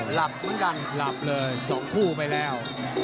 หลับเหมือนกันหลับเลย๒คู่ไปแล้ว